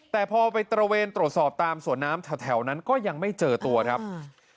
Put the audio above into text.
แต่พอไปตระเวนตรวจสอบตามสวนน้ำแถวแถวนั้นก็ยังไม่เจอตัวครับอืม